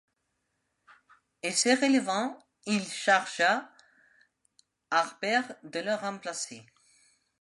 et se relevant, il chargea Harbert de le remplacer.